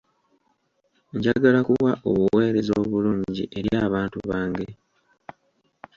Njagala kuwa obuweereza obulungi eri abantu bange.